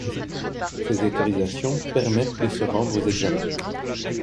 Ces autorisations permettent de se rendre aux examens.